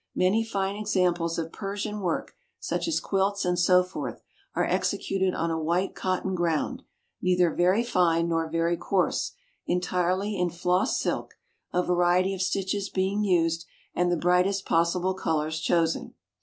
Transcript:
Many fine examples of Persian work, such as quilts and so forth, are executed on a white cotton ground, neither very fine nor very coarse, entirely in floss silk, a variety of stitches being used, and the brightest possible colours chosen.